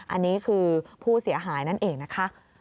อันนี้คือผู้เสียหายนั่นเองนะคะ